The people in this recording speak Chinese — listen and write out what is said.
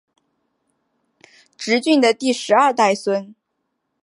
挚峻的第十二代孙。